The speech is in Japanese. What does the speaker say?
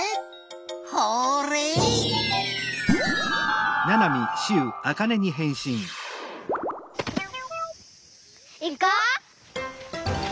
ホーレイ！いこう！